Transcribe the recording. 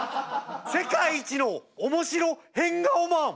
世界一の面白変顔マン。